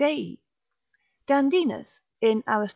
Dei. Dandinus, in Arist.